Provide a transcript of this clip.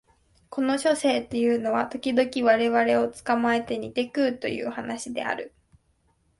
この書生というのは時々我々を捕えて煮て食うという話である